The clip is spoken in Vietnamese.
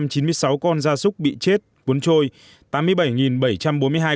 sáu chín mươi sáu con da súc bị chết cuốn trôi